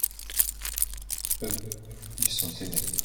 eux, ils sont aimés.